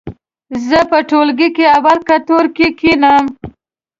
زه په ټولګي کې اول قطور کې کېنم.